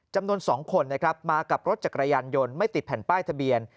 จำนวน๒คนนะครับมากับรถจักรยานยนต์ไม่ติดแผ่นป้ายทะเบียน